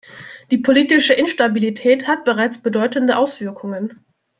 Die politische Instabilität hat bereits bedeutende Auswirkungen.